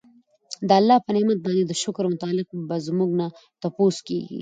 د الله په نعمت باندي د شکر متعلق به زمونږ نه تپوس کيږي